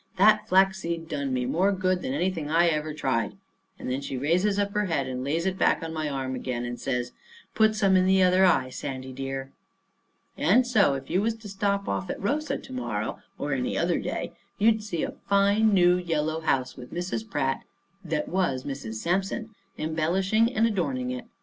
That flaxseed done me more good than anything I ever tried." And then she raises up her head and lays it back on my arm again, and says: "Put some in the other eye, Sandy dear." And so if you was to stop off at Rosa to morrow, or any other day, you'd see a fine new yellow house with Mrs. Pratt, that was Mrs. Sampson, embellishing and adorning it.